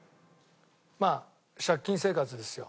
まあ借金生活ですよ。